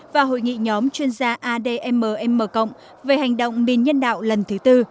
và hội nghị nhóm chuyên gia admm về hành động bom mìn nhân đạo lần thứ tư